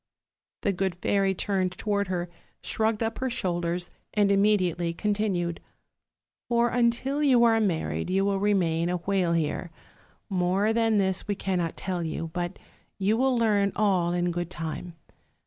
"The good fairy turned toward her, shrugged up her shoulders, and immediately continued: 'For until you are married you will remain a whale here. More than this we cannot tell you; but you will learn all in good time.